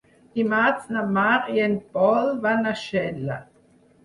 Dimarts na Mar i en Pol van a Xella.